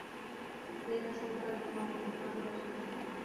তিনি তার সময়কার ইমামুল হানাবিলা ছিলেন।